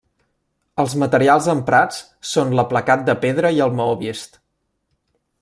Els materials emprats són l'aplacat de pedra i el maó vist.